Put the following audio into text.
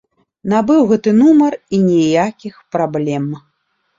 Набыў гэты нумар і ніякіх праблем.